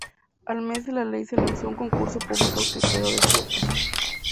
Al mes de la ley se lanzó un concurso público que quedó desierto.